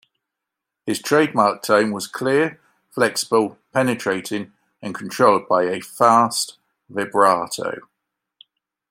His trademark tone was clear, flexible, penetrating, and controlled by a fast vibrato.